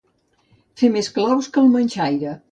Fer més claus que el manxaire.